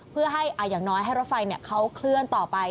เพื่อให้อย่างน้อยให้รถไฟเขาเคลื่อนต่อไป